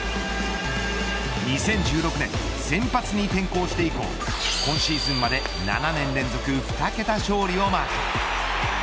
２０１６年と先発に転向して以降今シーズンまで７年連続２桁勝利をマーク。